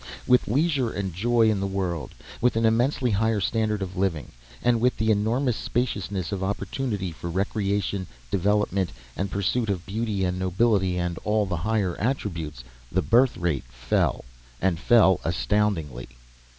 With leisure and joy in the world; with an immensely higher standard of living; and with the enormous spaciousness of opportunity for recreation, development, and pursuit of beauty and nobility and all the higher attributes, the birth rate fell, and fell astoundingly.